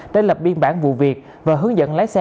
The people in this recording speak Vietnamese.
đã lập biên bản vụ việc và hướng dẫn lái xe